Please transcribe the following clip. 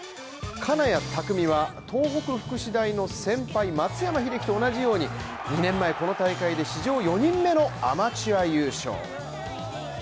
金谷拓実は東北福祉大の先輩松山英樹と同じように２年前この大会で史上４人目のアマチュア優勝。